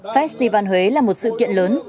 festival huế là một sự kiện lớn